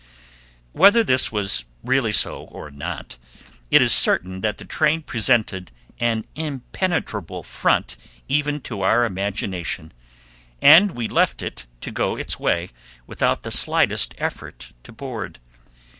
Whether this was really so or not, it is certain that the train presented an impenetrable front even to our imagination, and we left it to go its way without the slightest effort to board.